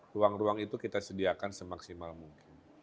ruang ruang itu kita sediakan semaksimal mungkin